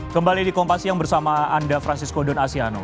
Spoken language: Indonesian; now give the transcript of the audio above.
kembali di kompas yang bersama anda francisco don asiano